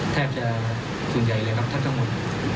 แทบจะส่วนใหญ่เลยครับแทบทั้งหมด